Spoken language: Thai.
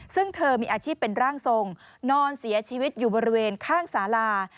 ซึ่งเธอมีอาชีพเป็นร่างทรงนอนเสียชีวิตอยู่บริเวณข้างสาลา